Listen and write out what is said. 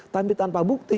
tapi tanpa bukti